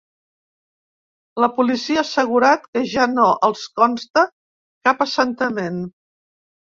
La policia ha assegurat que ja no els consta cap assentament.